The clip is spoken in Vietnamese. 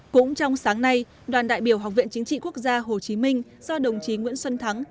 cũng trong sáng nay đoàn đại biểu học viện chính trị quốc gia hồ chí minh do đồng chí nguyễn xuân thắng